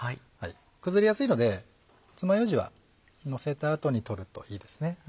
崩れやすいのでつまようじはのせた後に取るといいですね。